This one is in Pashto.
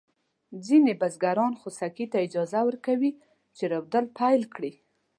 ځینې بزګران خوسکي ته اجازه ورکوي چې رودل پيل کړي.